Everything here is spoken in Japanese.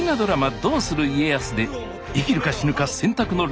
「どうする家康」で生きるか死ぬか選択の連続！